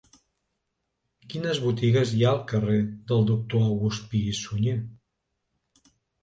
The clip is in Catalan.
Quines botigues hi ha al carrer del Doctor August Pi i Sunyer?